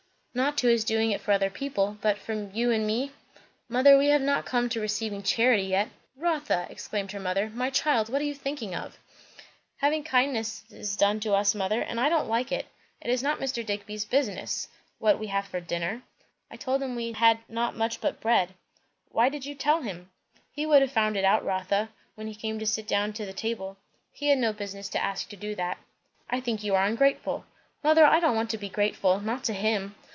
"Not to his doing it for other people; but for you and me Mother, we have not come to receiving charity yet." "Rotha!" exclaimed her mother. "My child, what are you thinking of?" "Having kindnesses done to us, mother; and I don't like it. It is not Mr. Digby's business, what we have for dinner!" "I told him we had not much but bread." "Why did you tell him?" "He would have found it out, Rotha, when he came to sit down to the table." "He had no business to ask to do that." "I think you are ungrateful." "Mother, I don't want to be grateful. Not to him."